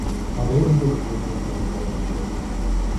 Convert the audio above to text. Андрей видел, как по небу пролетела туча.